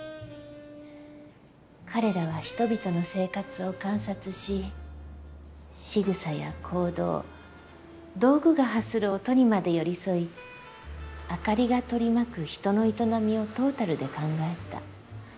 彼らは人々の生活を観察ししぐさや行動道具が発する音にまで寄り添い明かりが取り巻く人の営みをトータルで考えた。